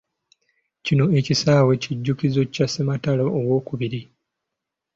Kino ekisaawe, kijjukizo kya ssematalo owookubiri.